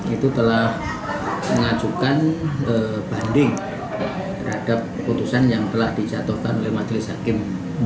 itu telah mengajukan banding terhadap putusan yang telah dijatuhkan oleh majelis hakim